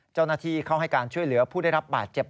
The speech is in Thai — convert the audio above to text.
เจ้าหน้าที่เข้าให้การช่วยเหลือผู้ได้รับบาดเจ็บ